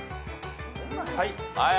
はい。